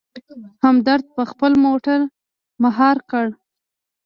همدرد په خپله موټر مهار کړ.